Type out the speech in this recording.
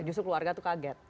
justru keluarga tuh kaget